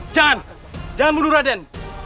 jangan jangan bunuh raden